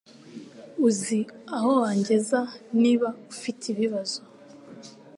Uzi aho wangeza niba ufite ibibazo.